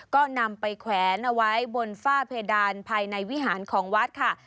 ก็นำไปแขวนเอาไว้บนฝ้าเพดานภายในวิหารของวัดค่ะ